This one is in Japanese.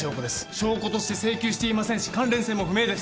証拠として請求していませんし関連性も不明です